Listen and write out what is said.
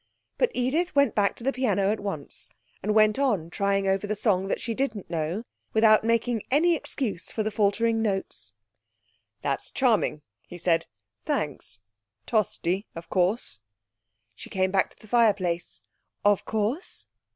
But Edith went back to the piano at once, and went on trying over the song that she didn't know, without making any excuse for the faltering notes. 'That's charming,' he said. 'Thanks. Tosti, of course.' She came back to the fireplace. 'Of course.